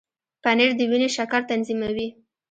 پنېر د وینې شکر تنظیموي.